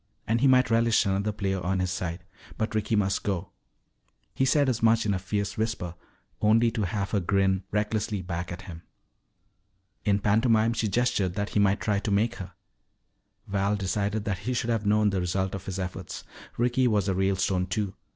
And he might relish another player on his side. But Ricky must go. He said as much in a fierce whisper, only to have her grin recklessly back at him. In pantomime she gestured that he might try to make her. Val decided that he should have known the result of his efforts. Ricky was a Ralestone, too.